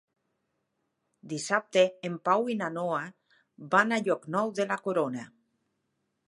Dissabte en Pau i na Noa van a Llocnou de la Corona.